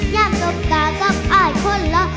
อยากจบกันกับไอคนละ